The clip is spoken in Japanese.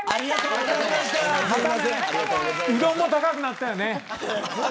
うどんも高くなったよね。